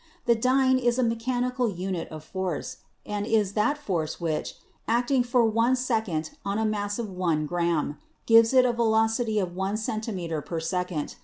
The dyne is a mechanical unit of force, and is that force which, acting for one second on a mass of one gram, gives it a velocity of one centimeter per second.